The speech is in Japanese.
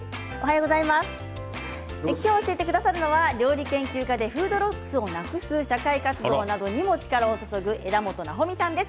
今日教えてくださるのは料理研究家でフードロスをなくす社会活動などにも力を注ぐ枝元なほみさんです。